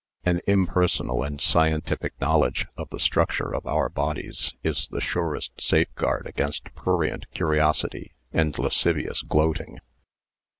An impersonal and scientific knowledge of the structure of our bodies is the surest safeguard against prurient curiosity and lascivious gloating.